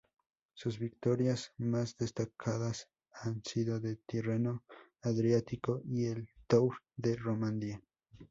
Sus victorias más destacadas han sido la Tirreno-Adriático y el Tour de Romandía.